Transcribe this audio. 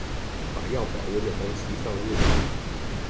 把要保溫的東西放入